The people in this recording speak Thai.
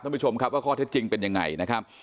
ท่านผู้ชมครับว่าข้อเท็จจริงเป็นยังไงนะครับ